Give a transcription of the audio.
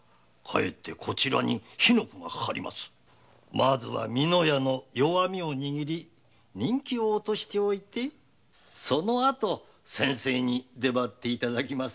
まずは美乃屋の弱みを握り人気を落としておいてその後先生に出張っていただきます。